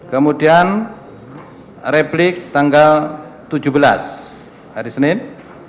kemudian replik tanggal tujuh belas hari senin